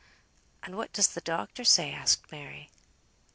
"And what does the doctor say?" asked Mary.